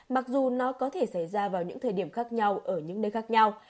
mặc dù nó có thể xảy ra vào những thời điểm khác nhau ở những nơi khác nhau